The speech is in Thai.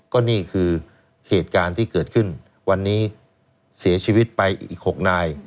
ก็นี่คือเหตุการณ์ที่เกิดขึ้นวันนี้เสียชีวิตไปอีก๖นาย